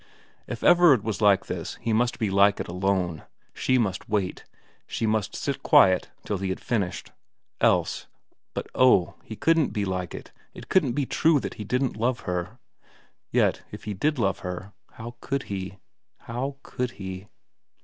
If Everard was like this he must be like it alone. She must wait. She must sit quiet till he had finished. Else but oh, he couldn't be like it, it couldn't be true that he didn't love her. Yet if he did love her, how could he ... how could he.